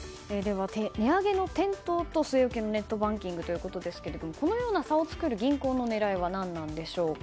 値上げの店頭と据え置きのネットバンキングということですがこのような差を作る銀行の狙いは何なのでしょうか。